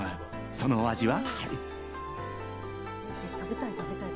そのお味は？